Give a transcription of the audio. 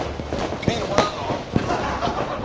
ビールもらうぞ。